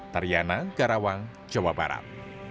tariana karawang jawa barat